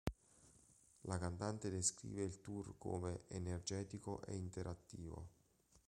La cantante descrive il tour come "energetico" e "interattivo".